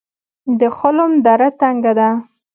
د خلم دره تنګه ده